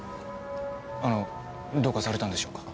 あのどうかされたんでしょうか？